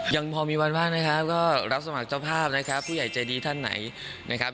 ยังพอมีวันบ้างนะครับก็รับสมัครเจ้าภาพนะครับผู้ใหญ่ใจดีท่านไหนนะครับ